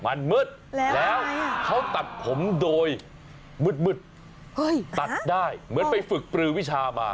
มันมืดแล้วเขาตัดผมโดยมืดตัดได้เหมือนไปฝึกปลือวิชามา